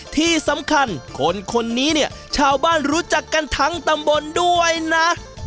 ที่สำคัญคนคนนี้เนี่ยชาวบ้านรู้จักกันทั้งตำบลด้วยนะ